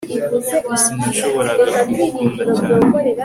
sinashoboraga kugukunda cyane